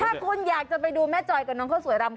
ถ้าคุณอยากจะไปดูแม่จอยกับน้องข้าวสวยรำ